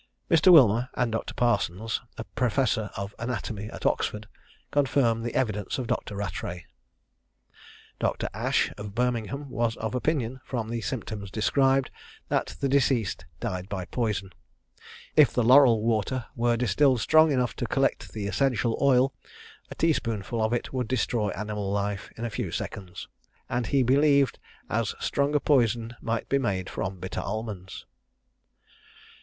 Mr. Wilmer and Dr. Parsons, professor of anatomy at Oxford, confirmed the evidence of Dr. Rattray. Dr. Ashe, of Birmingham, was of opinion, from the symptoms described, that the deceased died by poison. If the laurel water were distilled strong enough to collect the essential oil, a tea spoonful of it would destroy animal life in a few seconds; and he believed as strong a poison might be made from bitter almonds.